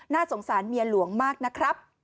สงสารเมียหลวงมากนะครับ